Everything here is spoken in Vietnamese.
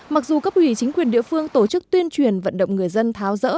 mặc dù cấp ủy chính quyền địa phương tổ chức tuyên truyền vận động người dân tháo rỡ